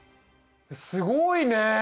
すごいね。